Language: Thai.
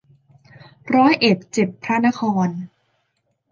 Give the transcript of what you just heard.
ร้อยเอ็ดเจ็ดพระนคร